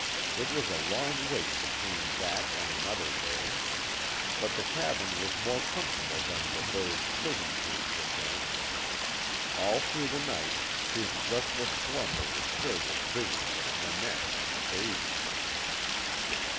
It was a long wait between that and another day. But the cabin was more comfortable than Le Beau's prison cage had been. All through the night his restless slumber was filled with visions of Nanette and the baby.